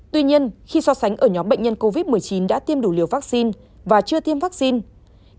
tuy nhiên khi so sánh ở nhóm bệnh nhân covid một mươi chín đã tiêm đủ liều vaccine và chưa tiêm vaccine